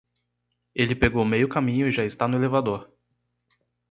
Ele pegou meio caminho e já está no elevador.